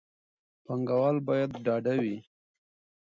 پانګوال باید ډاډه وي.